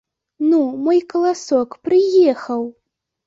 Ну, мой каласок, прыехаў!